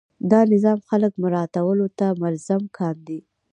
دا نظام خلک مراعاتولو ته ملزم کاندي.